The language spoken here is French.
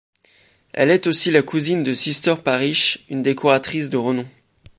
Elle est aussi la cousine de Sister Parish, une décoratrice de renom.